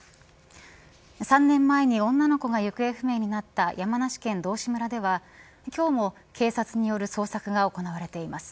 ３年前に女の子が行方不明になった山梨県道志村では今日も警察による捜索が行われています。